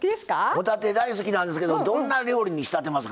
帆立て大好きなんですけどどんな料理に仕立てますか？